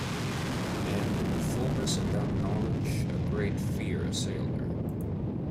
And in the fullness of that knowledge a great fear assailed her.